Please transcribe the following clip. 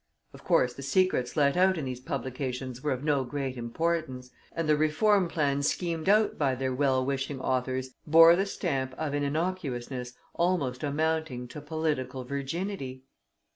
Of course, the secrets let out in these publications were of no great importance, and the reform plans schemed out by their well wishing authors bore the stamp of an innocuousness almost amounting to political virginity.